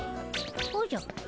おじゃ？